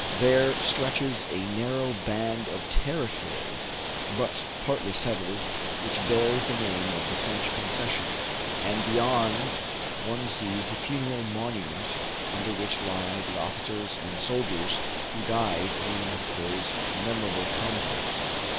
There stretches a narrow band of territory, but partly settled, which bears the name of the French concession ; and, beyond, one sees the funereal monument under which lie the officers and soldiers who died in those memo rable combats.